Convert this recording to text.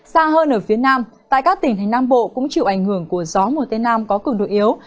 xa hơn ở phía nam tại các tỉnh thành nam bộ cũng chịu ảnh hưởng của gió mùa tây nam có cường độ yếu